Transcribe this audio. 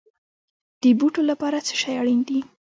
د بوټو لپاره څه شی اړین دی؟